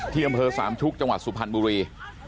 อำเภอสามชุกจังหวัดสุพรรณบุรี